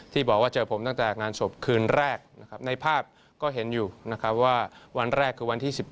ที่บอกว่าเจอผมตั้งแต่งานศพคืนแรกนะครับในภาพก็เห็นอยู่นะครับว่าวันแรกคือวันที่๑๗